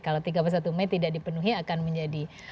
kalau tiga puluh satu mei tidak dipenuhi akan menjadi